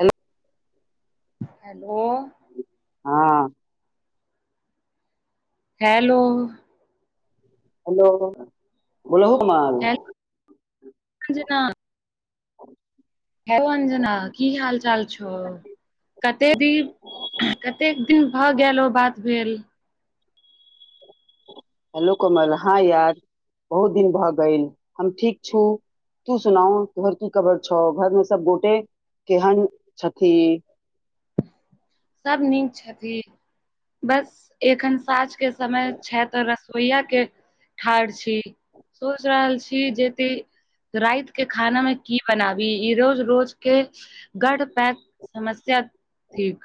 Hello. Hello. हाँ। Hello. Hello. बोलहु Komal hello Anjana hello Anjana की हाल चाल छौ? कते दिन, कतेक दिन भऽ गेलो बात भेल। हेलो कमल, हाँ यार बहुत दिन भऽ गैल हम ठीक छू। तू सुनाहो तोहर की खबर छो, घर में सब गोटे केहेन छथि। सब नीक छथि, बस एखन साँझ के समय छै ते रस सोइया के ठाढ़ छी, सोच रहल छी जेते राएत के खाना में की बना बी, इ रोज रोज के गढ़ पैक समस्या थिक।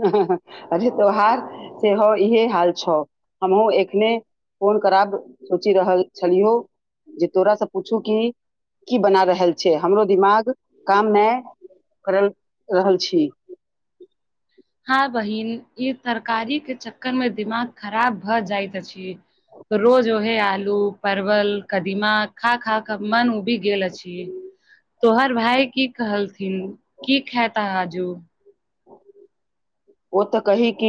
हं हं हं अच्छे तोहार सेहो इहे हाल छो। हमहुँ एखने फोन करब सोचि रहल छलियौ। जे तोरा से पूछू कि की बना रहल छै, हमरो दिमाग कामने करल रहल छी। हाँ बहिन इ तरकारी के च कर मे दिमाग खराब भऽ जायत अछि, रोज ओहे आलू लू, परवल, कदीमा खा खा क मन उबी गेल अछि। तोहर भाय की कहलथिन की खेता आज ऊ? ओ ते कही कि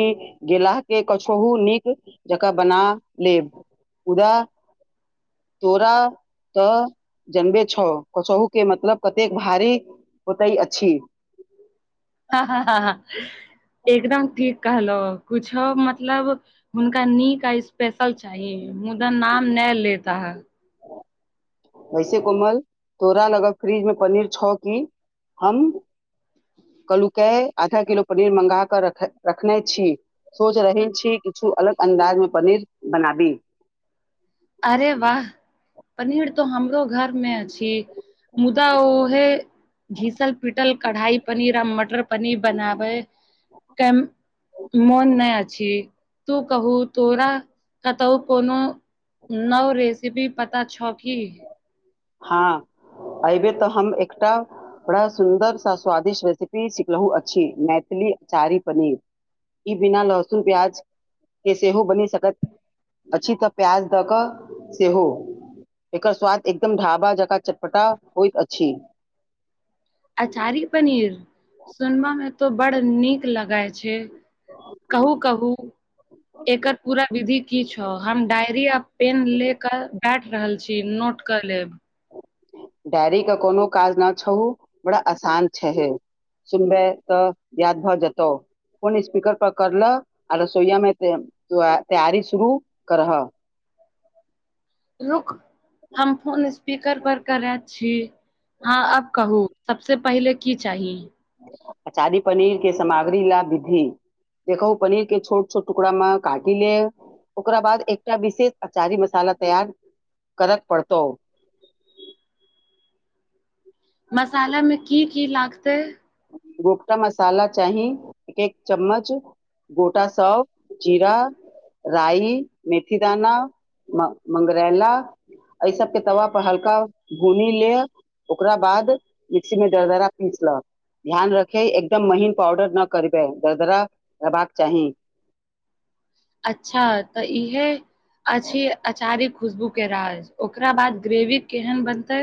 गेलाह कि कछहु नीक जकाँ बना लेब। मुदा तोरा तऽ जनबे छौ कोछहु के मतलब कतेक भारी होतै अछी। हाँ हाँ हाँ ह एकदम ठीक कहलो कुछो मतलब हुनका नीक आ स्पेशल चाही। मुदा नाम ने लेता हय। [unintelligible] वैसे कोमल तोरा लगहक फ्रिज मे पनीर छौ कि, हम कल्हुके आधा किलो पनीर मंगा क रख रखने छी। सोच रहै छी किछु अलग अन्दाज मे पनीर बनाबी। अरे वाह, पनीर त हमरो घर मे छी। मुदा ओहे घीसल पिटल कढ़ाई पनीर आ मटर पनीर बनाबै त मोन नहि अछि, तु कहु तोरा कत त कोनो नव रेसिपी पता छ कि हां, अयबेर त हम एकटा बड़ा सुन्दर आ स्वादिष्ट रेसिपी सिखलहुं अछि, मैथिली अचारी पनीर। इ बिना लहसुन प्याज के सेहो बनि सकत। अछि, त प्याज द क सेहो, एकर स्वाद एक एकदम ढाबा जकां चटपटा होइत अछि। अचारी पनीर सुनबा मे त बर नीक लगै छै। कहु कहु। एकर पुरा विधि की छ, हम डायरी आ पेन ले क काटि रहल छी नोट क लेब। डायरी के कोनो काज न छहु, बड़ा असान छहे। सुनबे त, याद भ जेतौ। फोन स्पीकर पर कर ल आ रसोइयामे तैयारी शुरू करह। रुक, हम फोन स्पीकर पर करैत छी, हां आब कहु। सबसे पहिले की चाही? अचारी पनीर के सामग्री ले विधि। देखौ पनीर के छोट छोट टुकरा मे काटि लेब। ओकरा बाद एकटा विशेष अचारी मसाला तैयार कर परतौ। [inaudible] कि कि लागतै गोटका मसाला चाही एक चमच गोटा सौंफ, जीरा राइ, मेथिदाना, म मंगरैला एहि सबके तवा पर हलका भुनि लेब, ओकरा बाद मिक्सी मे दरदरा पीस ल ध्यान राखय एकदम महीन पाउडर नै करबय, दरदरा हेबाक चाही [inaudible] अच्छा, त इहे अछि अचारिक खुसबु के राज, ओकरा बाद ग्रेवी केहेन बनतै?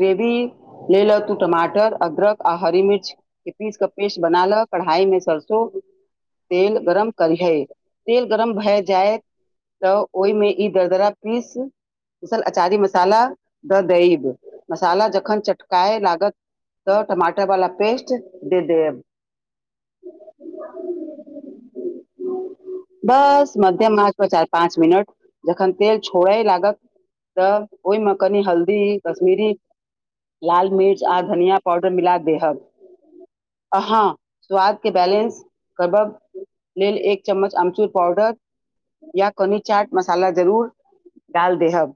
ग्रेवी तेल हेतु टमाटर अदरक आ हरी मिर्च के पीस क पेस्ट बना ल, कढ़ाई मे सरसो तेल गरम करिहै, तेल गरम भए जाय त ओहिमे ई दरदरा पीस पीसल अचारी मसाला द दइब, मसाला जखन चटकाय लागत त टमाटर वला पेस्ट द देब। [inaudible] बस मध्यम आंच पर चारि पांच मिनट, जखन तेल छोरय लागत त ओहिमे कनि हल्दी, कश्मीरी लाल मिर्च आ धनिया पाउडर मिला देहब, अ हां स्वाद के बैलेंस करब लेल एक चमच अमचुर पाउडर या कनी चाट मसाला जरुर डाल देहब।